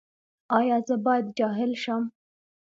ایا زه باید جاهل شم؟